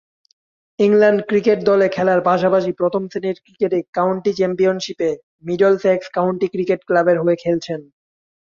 England cricket দলে খেলার পাশাপাশি প্রথম-শ্রেণীর ক্রিকেটে কাউন্টি চ্যাম্পিয়নশীপে মিডলসেক্স কাউন্টি ক্রিকেট ক্লাবের হয়ে খেলছেন।